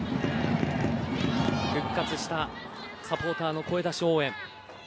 復活したサポーターの声出し応援。